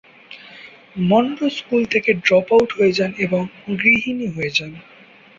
Munro school থেকে drop out হয়ে যান এবং গৃহিণী হয়ে যান।